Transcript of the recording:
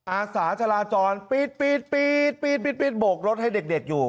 อาสาจราจรปีดโบกรถให้เด็กอยู่